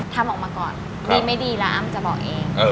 ทำออกมาก่อนดีไม่ดีแล้วอ้ำจะบอกเอง